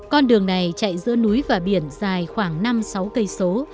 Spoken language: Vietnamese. con đường này chạy giữa núi và biển dài khoảng năm sáu cây số